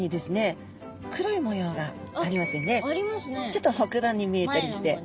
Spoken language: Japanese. ちょっとほくろに見えたりして。